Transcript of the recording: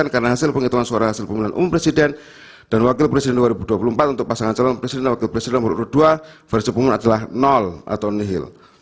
karena hasil penghitungan suara hasil pemilihan umum presiden dan wakil presiden dua ribu dua puluh empat untuk pasangan calon presiden dan wakil presiden nomor urut dua versi pemohon adalah atau nihil